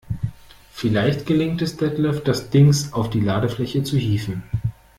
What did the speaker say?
Vielleicht gelingt es Detlef, das Dings auf die Ladefläche zu hieven.